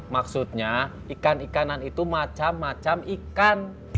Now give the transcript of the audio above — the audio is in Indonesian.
maksudnya ikan ikanan itu macam macam ikan